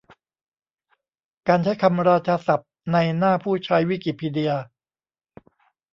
การใช้คำราชาศัพท์ในหน้าผู้ใช้ วิกิพีเดีย